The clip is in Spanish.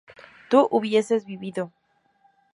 tú hubieses vivido